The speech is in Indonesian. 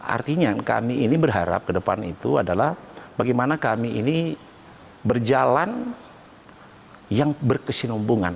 artinya kami ini berharap ke depan itu adalah bagaimana kami ini berjalan yang berkesinambungan